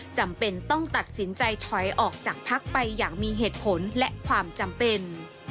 จำเป็นต้องตัดสินใจถอยออกจากพักไปอย่างมีเหตุผลและความจำเป็น